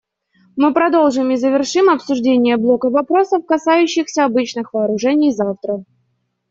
Мы продолжим и завершим обсуждение блока вопросов, касающихся обычных вооружений, завтра.